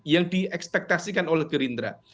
yang diekspektasikan oleh gerindra